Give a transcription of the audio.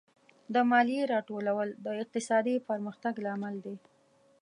د مالیې راټولول د اقتصادي پرمختګ لامل دی.